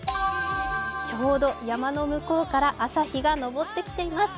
ちょうど山の向こうから朝日が昇ってきています。